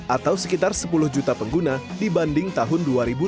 atau sekitar sepuluh juta pengguna dibanding tahun dua ribu dua puluh